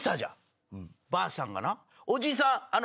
ばあさんがな。